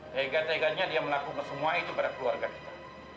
teganya teganya dia melakukan semua itu pada keluarga kita